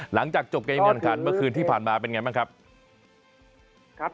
หลังจากจบการยนต์การเมื่อคืนที่ผ่านมาเป็นยังไงบ้างครับ